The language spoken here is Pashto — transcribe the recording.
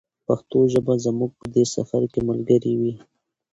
پښتو ژبه به زموږ په دې سفر کې ملګرې وي.